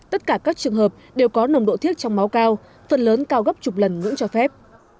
tất cả các trường hợp đều có nồng độ thiết trong máu cao phần lớn cao gấp chục lần ngưỡng cho phép